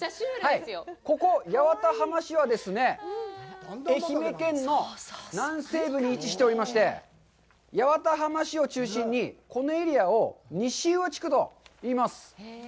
ここ、八幡浜市はですね、愛媛県の南西部に位置しておりまして、八幡浜市を中心にこのエリアを西宇和地区といいます。